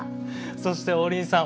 そして王林さん